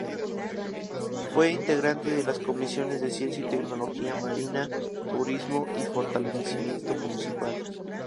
Fue integrante de las Comisiones de Ciencia y Tecnología; Marina; Turismo; y Fortalecimiento Municipal.